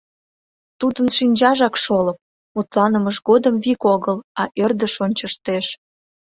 Тудын шинчажак шолып, мутланымыж годым вик огыл, а ӧрдыш ончыштеш.